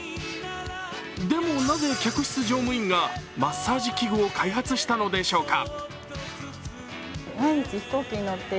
でも、なぜ客室乗務員がマッサージ器具を開発したのでしょうか。